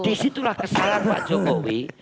disitulah kesalahan pak jokowi